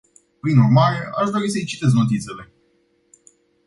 Prin urmare, aș dori să îi citesc notițele.